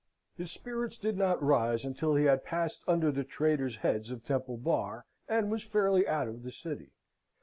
His spirits did not rise until he had passed under the traitors' heads of Temple Bar, and was fairly out of the City.